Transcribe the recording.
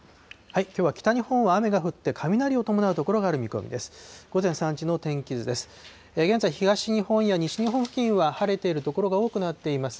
きょうは北日本は雨が降って、雷を伴う所がある見込みです。